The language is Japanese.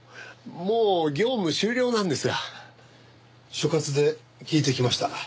所轄で聞いてきました。